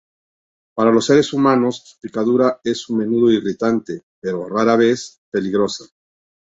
Para los seres humanos, su picadura es a menudo irritante, pero rara vez peligrosa.